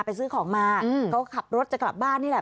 ซื้อของมาเขาขับรถจะกลับบ้านนี่แหละ